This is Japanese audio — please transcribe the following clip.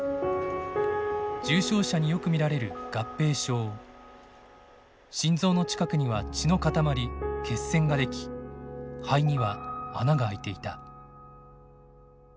重症者によく見られる合併症心臓の近くには血の塊血栓が出来肺には穴が開いていた。